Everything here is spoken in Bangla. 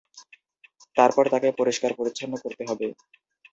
তারপর তাকে পরিষ্কার-পরিছন্ন করতে হবে।